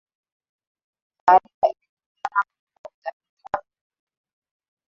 taarifa imetolewa na mkuu wa utafiti afrika